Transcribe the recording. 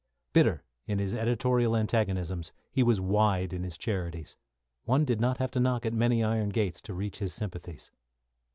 Bitter in his editorial antagonisms, he was wide in his charities. One did not have to knock at many iron gates to reach his sympathies.